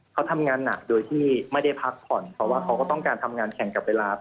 เขาทำงานหนักโดยที่ไม่ได้พักผ่อนเพราะว่าเขาก็ต้องการทำงานแข่งกับเวลา